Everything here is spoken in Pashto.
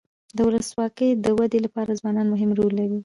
د ولسواکۍ د ودي لپاره ځوانان مهم رول لري.